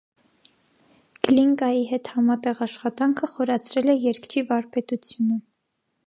Գլինկայի հետ համատեղ աշխատանքը խորացրել է երգչի վարպետությունը։